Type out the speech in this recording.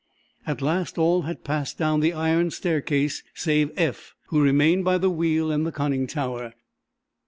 At last all had passed down the iron staircase save Eph, who remained by the wheel in the conning tower.